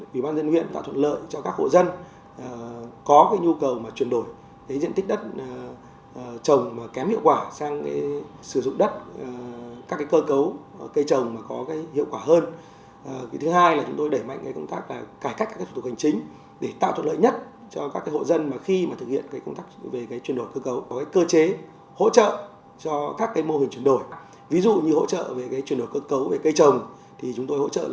ví dụ như hỗ trợ về chuyển đổi cơ cấu cây trồng thì chúng tôi hỗ trợ là năm mươi về kinh phí là về giống cây trồng